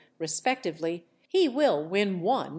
_ respectively), he will win 1_l.